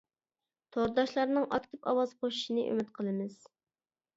تورداشلارنىڭ ئاكتىپ ئاۋاز قوشۇشىنى ئۈمىد قىلىمىز!